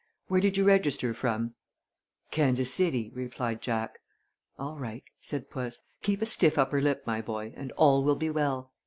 Where did you register from?" "Kansas City," replied Jack. [Illustration: "GOOD BYE, JACK"] "All right," said puss. "Keep a stiff upper lip, my boy, and all will be well.